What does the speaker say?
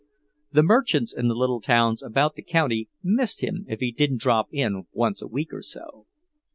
The merchants in the little towns about the county missed him if he didn't drop in once a week or so.